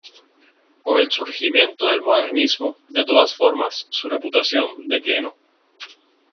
Con el surgimiento del Modernismo, de todas formas, su reputación declinó.